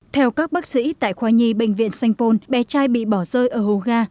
theo các bác sĩ tại khoa nhi bệnh viện sanh pôn bé trai bị bỏ rơi ở hồ ga